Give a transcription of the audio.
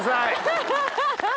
アハハハ。